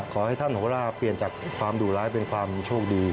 ขอให้ท่านโหลาเปลี่ยนจากความดุร้ายเป็นความโชคดี